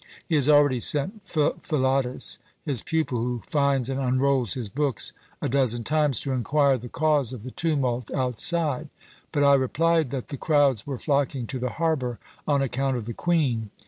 He has already sent Philotas his pupil, who finds and unrolls his books a dozen times to inquire the cause of the tumult outside; but I replied that the crowds were flocking to the harbour on account of the Queen.